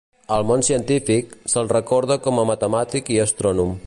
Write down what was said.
Al món científic, se'l recorda com a matemàtic i astrònom.